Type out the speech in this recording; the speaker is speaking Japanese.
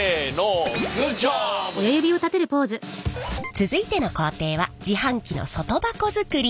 続いての工程は自販機の外箱作り。